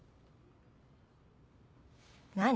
何？